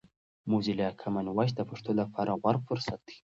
موزیلا کامن وایس د پښتو لپاره غوره فرصت دی.